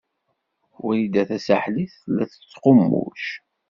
Wrida Tasaḥlit tella tettqummuc.